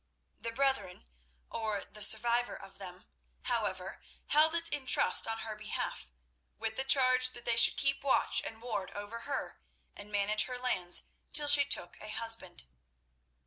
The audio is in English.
The brethren, or the survivor of them, however, held it in trust on her behalf, with the charge that they should keep watch and ward over her, and manage her lands till she took a husband.